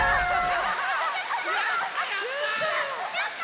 やった！